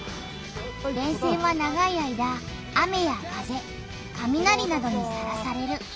電線は長い間雨や風かみなりなどにさらされる。